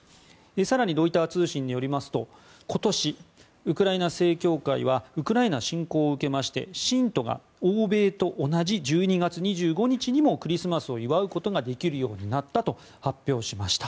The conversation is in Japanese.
更にロイター通信によりますと今年、ウクライナ正教会はウクライナ侵攻を受けまして信徒が欧米と同じ１２月２５日にもクリスマスを祝うことができるようになったと発表しました。